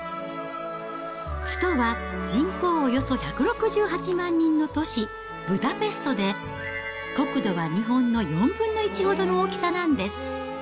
首都は人口およそ１６８万人の都市、ブダペストで、国土は日本の４分の１ほどの大きさなんです。